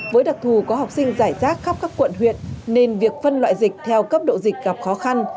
với đặc thù có học sinh giải rác khắp các quận huyện nên việc phân loại dịch theo cấp độ dịch gặp khó khăn